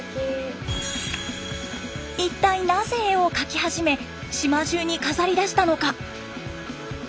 一体なぜ絵を描き始め島中に飾りだしたのか？